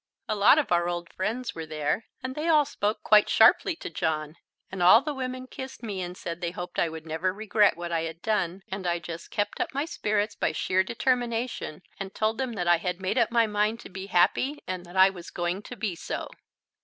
A lot of our old friends were there, and they all spoke quite sharply to John, and all the women kissed me and said they hoped I would never regret what I had done, and I just kept up my spirits by sheer determination, and told them that I had made up my mind to be happy and that I was going to be so.